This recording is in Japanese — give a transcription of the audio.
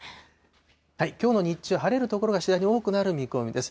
きょうも日中、晴れる所が次第に多くなる見込みです。